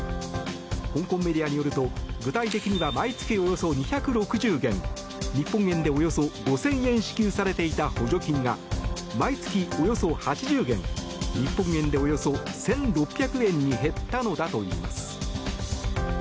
香港メディアによると具体的には、毎月およそ２６０元日本円でおよそ５０００円支給されていた補助金が毎月およそ８０元日本円でおよそ１６００円に減ったのだといいます。